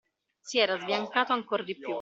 Si era sbiancato ancor di più.